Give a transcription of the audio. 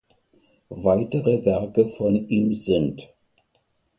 Weitere Werke von ihm sind